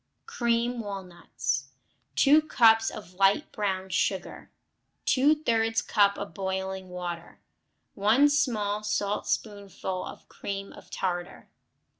Cream Walnuts 2 cups of light brown sugar. Two thirds cup of boiling water. 1 small saltspoonful of cream of tartar.